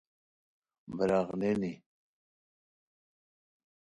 براغنینی